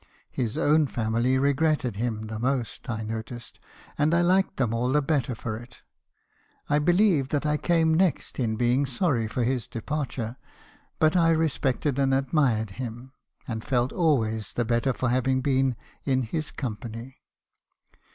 His own family regretted him the most, I noticed, find I liked them all the better for it. 1 believe that I came next in being sorry for his departure; but I respected and admired him , and felt always the better for having been in his company.